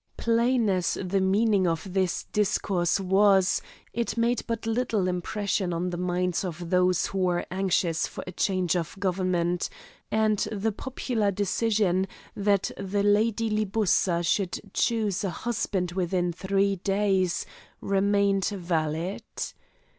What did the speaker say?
Plain as the meaning of this discourse was, it made but little impression on the minds of those who were anxious for a change of government, and the popular decision that the Lady Libussa should choose a husband within three days, remained valid.